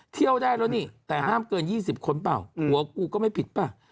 เที่ยวได้แล้วนี่แต่ห้ามเกิน๒๐คนเปล่าหัวกูก็ไม่ผิดป่ะ